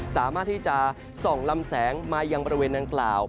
สามารถที่จะส่องลำแสงมายังบริเวณดังกล่าว